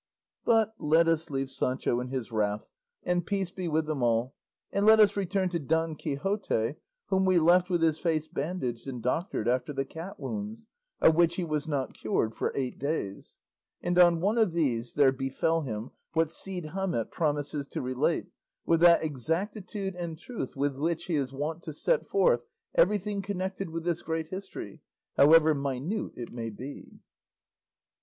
But let us leave Sancho in his wrath, and peace be with them all; and let us return to Don Quixote, whom we left with his face bandaged and doctored after the cat wounds, of which he was not cured for eight days; and on one of these there befell him what Cide Hamete promises to relate with that exactitude and truth with which he is wont to set forth everything connected with this great history, however minute it may be.